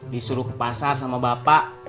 disuruh ke pasar sama bapak